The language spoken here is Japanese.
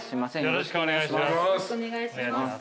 よろしくお願いします。